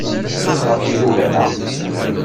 Cfut ɣef yilugan-a.